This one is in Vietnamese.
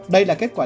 đây là kết quả này